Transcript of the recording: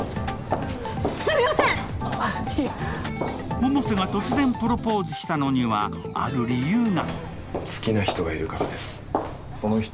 百瀬が突然プロポーズしたのには、ある理由が。